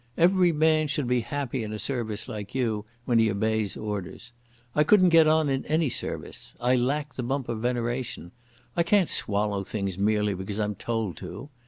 Every man should be happy in a service like you, when he obeys orders. I couldn't get on in any service. I lack the bump of veneration. I can't swallow things merely because I'm told to.